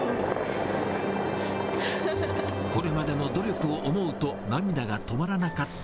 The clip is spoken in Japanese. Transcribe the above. これまでの努力を思うと涙がやった！